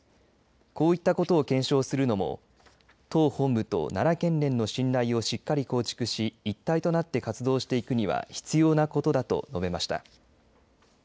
こういったことを検証するのも党本部と奈良県連の信頼をしっかり構築し一体となって活動していくには必要なことだと述べました。